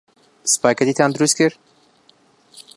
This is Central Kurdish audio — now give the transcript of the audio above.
سپاگێتییان دروست کرد.